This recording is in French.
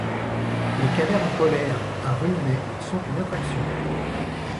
Les cavernes polaires à Rumney sont une attraction.